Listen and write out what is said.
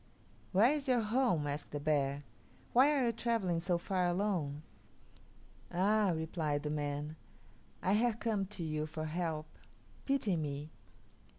"Where is your home?" asked the bear. "Why are you travelling so far alone?" "Ah," replied the man, "I have come to you for help. Pity me.